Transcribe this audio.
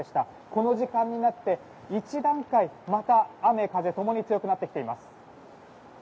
この時間になって１段階、また雨風共に強くなってきています。